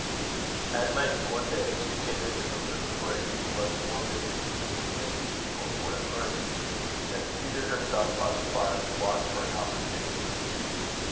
At length, one day, she came into the room where Hugh was more busy in teaching than his pupils were in learning, and seated herself by the fire to watch for an opportunity.